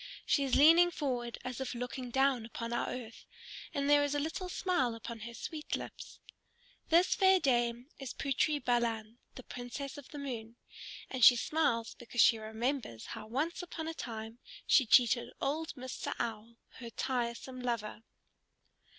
She is leaning forward as if looking down upon our earth, and there is a little smile upon her sweet lips. This fair dame is Putri Balan, the Princess of the Moon, and she smiles because she remembers how once upon a time she cheated old Mr. Owl, her tiresome lover.